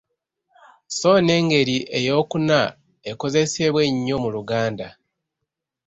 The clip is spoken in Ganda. Sso n’engeri eyookuna ekozesebwa ennyo mu Luganda.